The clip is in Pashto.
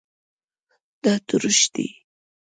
دا تروش دی